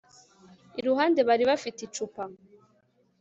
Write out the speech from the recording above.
iruhande bari bafite icupa